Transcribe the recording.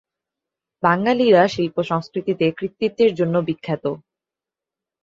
বাঙালিরা শিল্প-সংস্কৃতিতে কৃতিত্বের জন্য বিখ্যাত।